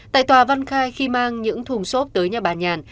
tại tòa văn khai khi mang những thùng xốp tới nhà bà nhàn